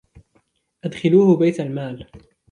أَدْخِلُوهُ بَيْتَ الْمَالِ